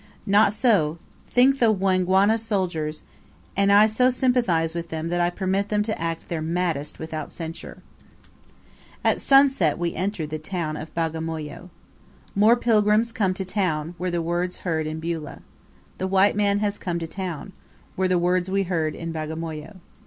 Not so, think the Wangwana soldiers; and I so sympathize with them that I permit them to act their maddest without censure. At sunset we enter the town of Bagamoyo. "More pilgrims come to town," were the words heard in Beulah. "The white man has come to town," were the words we heard in Bagamoyo.